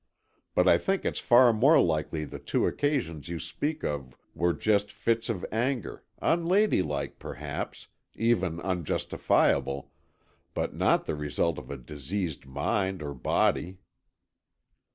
"But I think it's far more likely the two occasions you speak of were just fits of anger, unladylike, perhaps, even unjustifiable, but not the result of a diseased mind or body."